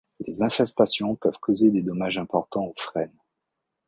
Les infestations peuvent causer des dommages importants aux frênes.